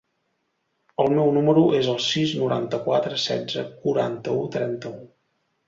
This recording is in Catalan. El meu número es el sis, noranta-quatre, setze, quaranta-u, trenta-u.